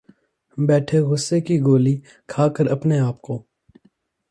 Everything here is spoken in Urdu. بیٹھے غصے کی گولی کھا کر اپنے آپ کو